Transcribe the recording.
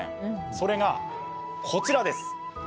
それが、こちらです。